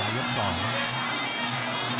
ยอดมวยยก๒ครับ